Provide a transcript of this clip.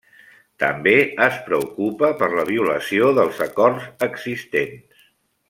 També es preocupa per la violació dels acords existents.